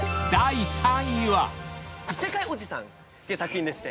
『異世界おじさん』って作品でして。